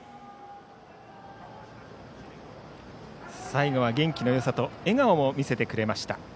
最後は元気のよさと笑顔を見せてくれました。